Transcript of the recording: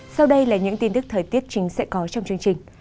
sau đây là những tin tức thời tiết chính sẽ có trong chương trình